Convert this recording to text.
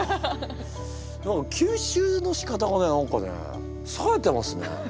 何か吸収のしかたがね何かねさえてますね。